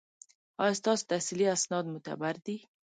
ایا ستاسو تحصیلي اسناد معتبر دي؟